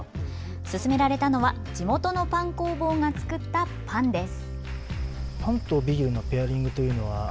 勧められたのは、地元のパン工房が作ったパンです。